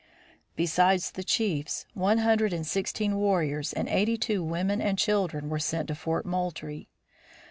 Besides the chiefs one hundred and sixteen warriors and eighty two women and children were sent to Fort Moultrie.